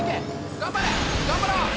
頑張ろう！